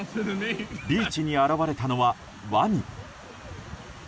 ビーチに現れたのはワニ。